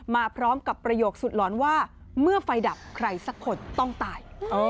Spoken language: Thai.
มาพร้อมกับประโยคสุดหลอนว่าเมื่อไฟดับใครสักคนต้องตาย